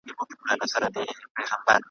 مه وایه: نوم دې څه دی؟